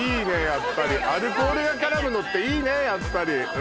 やっぱりアルコールが絡むのっていいねあー！